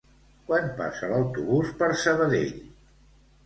Quan passa l'autobús per Sabadell?